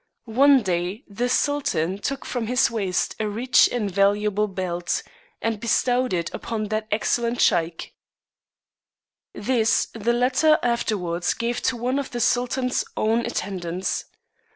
One day the Sultan took from his waist a rich and valuable belt, and bestowed it upon that excellent Sheik. This the lat ter afterwards gave to one of the Sultan's own attendants.